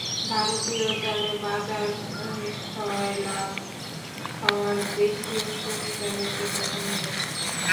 ভারতীয় চালে বাজার সয়লাব হওয়ায় দেশীয় সরু চালের ক্রেতা কমে গেছে।